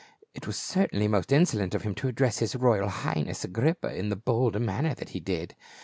" It was certainly most insolent of him to address his royal highness, Agrippa, in the bold manner that he did.